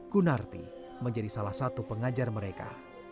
gunarti menjadi salah satu pengajar mereka